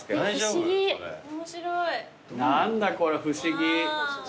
何だこれ不思議。